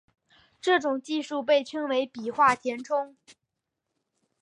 这种技术被称作笔画填充。